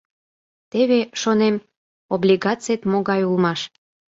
Теве, шонем, облигацет могай улмаш!